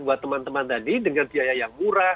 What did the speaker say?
buat teman teman tadi dengan biaya yang murah